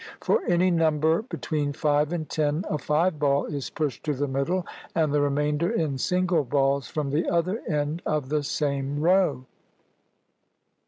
For any number between five and ten a five ball is pushed to the middle and the remainder in single balls from the other end of the same row.